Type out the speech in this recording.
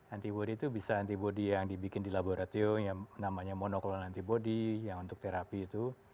antibody itu bisa antibody yang dibikin di laboratorium yang namanya monoklone antibody yang untuk terapi itu